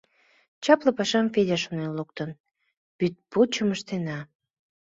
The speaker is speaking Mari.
— Чапле пашам Федя шонен луктын... вӱдпучым ыштена.